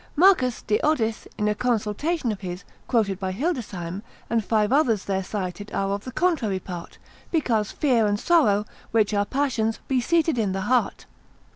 Marcus de Oddis (in a consultation of his, quoted by Hildesheim) and five others there cited are of the contrary part; because fear and sorrow, which are passions, be seated in the heart.